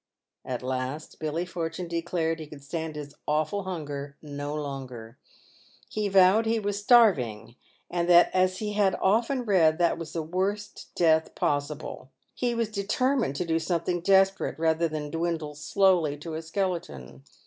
At last Billy Fortune declared he could stand his " awful hunger" no longer. He vowed he was starving, and that as he had often read that was the worst death possible, he was determined to do some thing desperate rather than dwindle slowly to a skeleton.